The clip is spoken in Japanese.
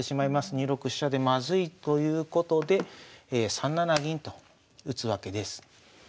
２六飛車でまずいということで３七銀と打つわけです。